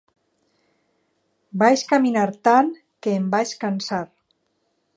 Vaig caminar tant que em vaig cansar.